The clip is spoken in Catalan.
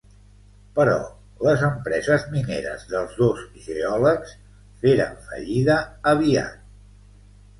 Però les empreses mineres dels dos geòlegs feren fallida aviat.